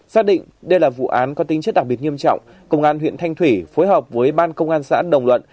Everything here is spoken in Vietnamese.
xác định đây là vụ án có tính chất đặc biệt nghiêm trọng công an huyện thanh thủy phối hợp với ban công an xã đồng luận